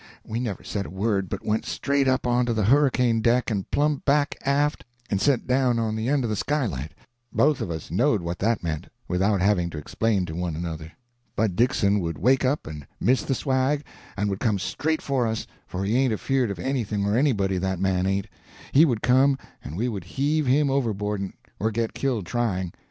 We never said a word, but went straight up onto the hurricane deck and plumb back aft, and set down on the end of the sky light. Both of us knowed what that meant, without having to explain to one another. Bud Dixon would wake up and miss the swag, and would come straight for us, for he ain't afeard of anything or anybody, that man ain't. He would come, and we would heave him overboard, or get killed trying.